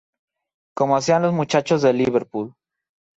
Como hacían los muchachos de Liverpool.